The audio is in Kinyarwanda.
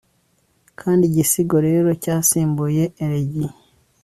kandi igisigo rero, cyasimbuye elegi